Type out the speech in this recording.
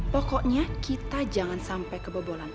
pokoknya kita jangan sampai kebobolan